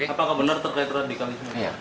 apakah benar terkait radikalisme